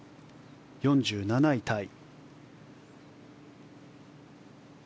４７位タイ。